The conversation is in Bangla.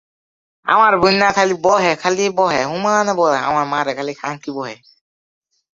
এটি তখনকার ব্রিটিশ ভারত এ পাঞ্জাব প্রদেশ এ অবস্থিত ছিল।